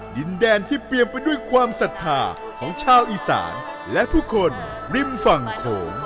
ดินแดนที่เปรียมไปด้วยความศรัทธาของชาวอีสานและผู้คนริมฝั่งโขง